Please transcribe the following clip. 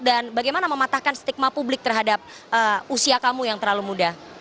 dan bagaimana mematahkan stigma publik terhadap usia kamu yang terlalu muda